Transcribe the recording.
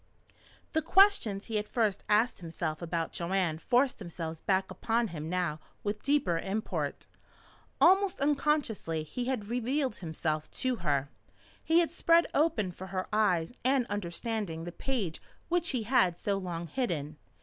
The questions he had first asked himself about Joanne forced themselves back upon him now with deeper import. Almost unconsciously he had revealed himself to her. He had spread open for her eyes and understanding the page which he had so long hidden.